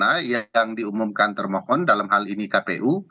yang perlu angka mana yang diumumkan termohon dalam hal ini kpu